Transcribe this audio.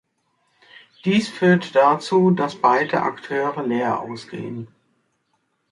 Dies führt dazu, dass beide Akteure leer ausgehen.